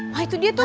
wah itu dia tuh